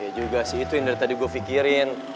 iya juga sih itu yang dari tadi gue pikirin